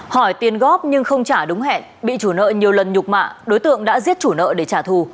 hỏi tiền góp nhưng không trả đúng hẹn bị chủ nợ nhiều lần nhục mạ đối tượng đã giết chủ nợ để trả thù